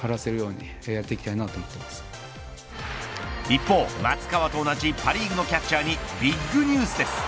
一方、松川と同じパ・リーグのキャッチャーにビッグニュースです。